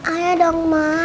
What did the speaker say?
ayah dong ma